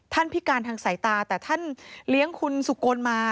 พิการทางสายตาแต่ท่านเลี้ยงคุณสุโกนมา